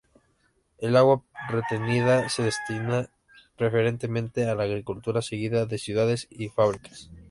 El agua retenida se destina preferentemente a la agricultura, seguida de ciudades y fábricas.